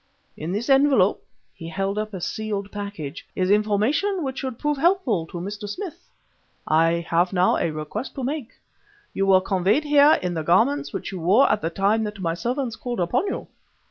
In this envelope" he held up a sealed package "is information which should prove helpful to Mr. Smith. I have now a request to make. You were conveyed here in the garments which your wore at the time that my servants called upon you."